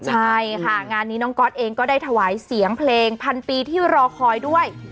ใช่ค่ะงานนี้น้องก๊อตเองก็ได้ถวายเสียงเพลงพันปีที่รอคอยด้วย